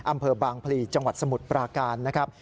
อำเภอบางพลีจังหวัดสมุทรปราการนะครับ